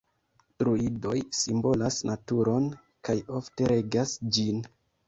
Druidoj simbolas naturon kaj ofte regas ĝin.